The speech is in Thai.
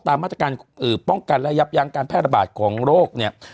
ตามมาตรการป้องกันและยับยั้งการแพร่ระบาดของโรคเนี่ย